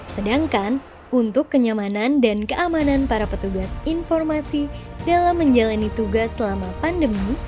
sedangkan untuk kenyamanan dan keamanan para petugas informasi dalam menjalani tugas selama pandemi